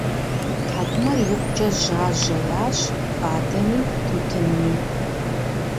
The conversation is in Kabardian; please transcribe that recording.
ТхьэкӀумэр икъукӀэ жьажьэ ящӀ фадэми тутынми.